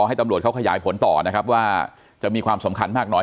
ให้ตำรวจเขาขยายผลต่อนะครับว่าจะมีความสำคัญมากน้อย